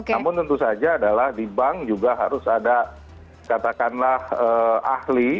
namun tentu saja adalah di bank juga harus ada katakanlah ahli